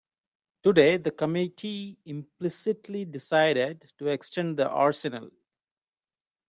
Today the committee implicitly decided to extend the arsenal.